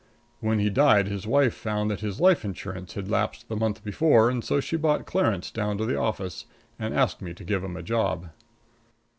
When he died his wife found that his life insurance had lapsed the month before, and so she brought Clarence down to the office and asked me to give him a job.